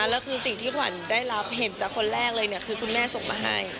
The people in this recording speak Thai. แล้วคือสิ่งที่ขวัญได้รับเห็นจากคนแรกเลยคือคุณแม่ส่งมาให้